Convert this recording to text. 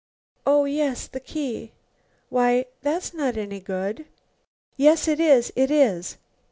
"Oh, yes, the key. Why, that's not any good." "Yes, it is! It is!"